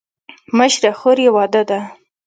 مشره خور یې واده ده.